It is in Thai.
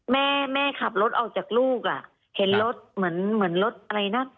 แม่แม่ขับรถออกจากลูกอ่ะเห็นรถเหมือนเหมือนรถอะไรนะ